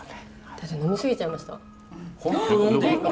だって呑み過ぎちゃいました。